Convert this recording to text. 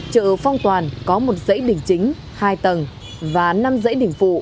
chợ phong toàn có một dãy đỉnh chính hai tầng và năm dãy đỉnh phụ